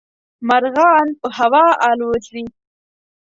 مرغان په هوا الوزي.